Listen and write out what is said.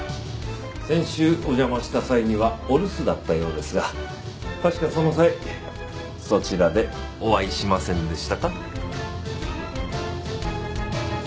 先週お邪魔した際にはお留守だったようですが確かその際そちらでお会いしませんでしたか？